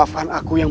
maafkan aku yang